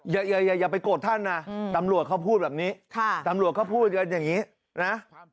อย่าไปโกรธท่านนะตำรวจเขาพูดแบบนี้ตำรวจเขาพูดกันอย่างนี้นะ